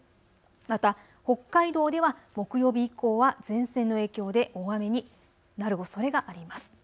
また北海道では木曜日以降は前線の影響で大雨になるおそれがあります。